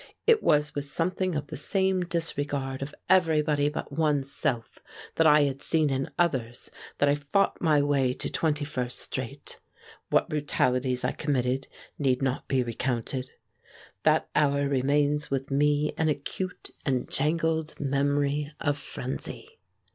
It was with something of the same disregard of everybody but oneself that I had seen in others that I fought my way to Twenty first Street. What brutalities I committed need not be recounted. That hour remains with me an acute and jangled memory of frenzy.